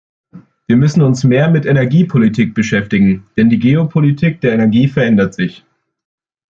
Wir müssen uns mehr mit Energiepolitik beschäftigen, denn die Geopolitik der Energie verändert sich.